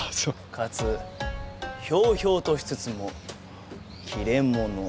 かつひょうひょうとしつつも切れ者。